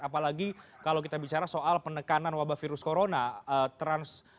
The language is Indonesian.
apalagi kalau kita bicara soal penekanan wabah virus corona